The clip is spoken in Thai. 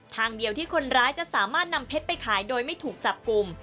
ทางเดียวที่คนร้ายจะสามารถนำเพชรไปขายโดยไม่ถูกจับกลุ่ม